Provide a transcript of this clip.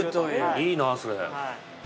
いいなそれ。